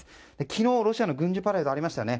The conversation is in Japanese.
昨日、ロシアの軍事パレードがありましたね。